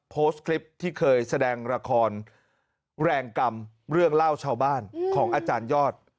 โพสต์คลิปที่เคยแสดงละครแรงกรรมเรื่องเล่าชาวบ้านของอาจารยอด